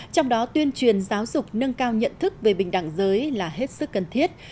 trong đó tuyên truyền giáo dục nâng cao nhận thức về bình đẳng giới là hết sức cần thiết